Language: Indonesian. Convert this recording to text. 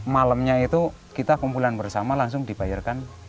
malamnya itu kita kumpulan bersama langsung dibayarkan